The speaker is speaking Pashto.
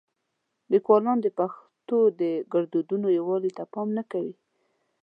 لیکوالان د پښتو د ګړدودونو یووالي ته پام نه کوي.